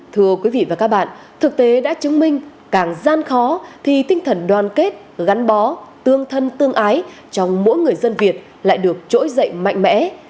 thưa quý vị và các bạn thực tế đã chứng minh càng gian khó thì tinh thần đoàn kết gắn bó tương thân tương ái trong mỗi người dân việt lại được trỗi dậy mạnh mẽ